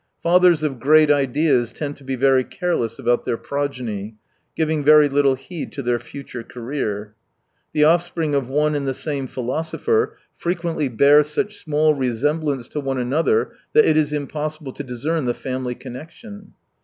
Fathers of great ideas tend to be very, careless about their progeny, giving very little heed to their future career. The offspring of one and the same philosopher frequently bear such small resemblance to one another, that it, is impossible to discern the family connection.